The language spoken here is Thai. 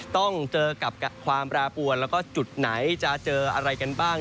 ต้องเจอกับความแปรปวนแล้วก็จุดไหนจะเจออะไรกันบ้าง